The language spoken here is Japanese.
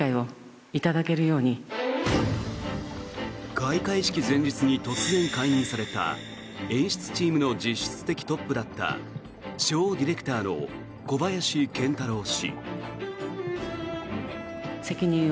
開会式前日に突然、解任された演出チームの実質的トップだったショーディレクターの小林賢太郎氏。